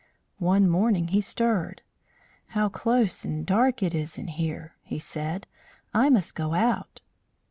One morning he stirred. "How close and dark it is in here!" he said. "I must go out."